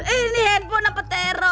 ini handphone apa terok